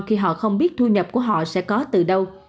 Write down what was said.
khi họ không biết thu nhập của họ sẽ có từ đâu